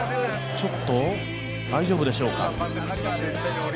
ちょっと大丈夫でしょうか？